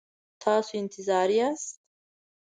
تاسو انتظار یاست؟